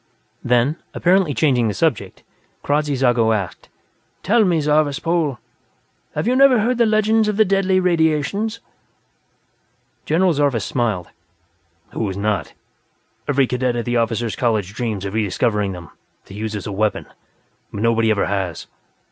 Then, apparently changing the subject, Kradzy Zago asked: "Tell me, Zarvas Pol; have you never heard the legends of the Deadly Radiations?" General Zarvas smiled. "Who has not? Every cadet at the Officers' College dreams of re discovering them, to use as a weapon, but nobody ever has.